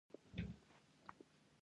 د مس عینک کان په لوګر ولایت کې دی.